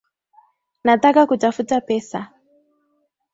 Nataka kutafuta pesa